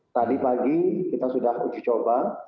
tadi pagi kita sudah uji coba